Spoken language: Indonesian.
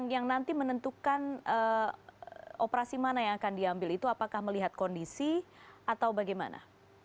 yang nanti menentukan operasi mana yang akan diambil itu apakah melihat kondisi atau bagaimana